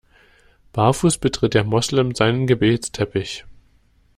Barfuß betritt der Moslem seinen Gebetsteppich.